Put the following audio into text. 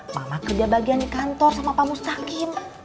mama kerja bagian di kantor sama pak mustakim